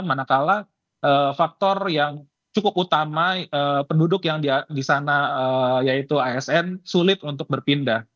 manakala faktor yang cukup utama penduduk yang di sana yaitu asn sulit untuk berpindah